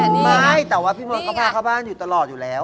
ไม่แต่ว่าพี่มดก็พาเข้าบ้านอยู่ตลอดอยู่แล้ว